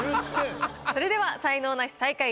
それでは才能ナシ最下位